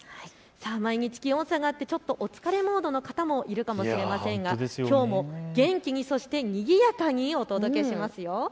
毎日気温差があってお疲れモードの方もいるかもしれませんがきょうも元気ににぎやかにお届けします。